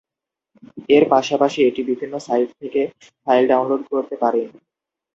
এর পাশাপাশি এটি বিভিন্ন সাইট থেকে ফাইল ডাউনলোড করতে পারে।